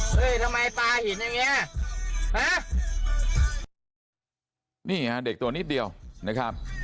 เฮ้ยทำไมปลาหินอย่างเงี้ยฮะนี่ฮะเด็กตัวนิดเดียวนะครับ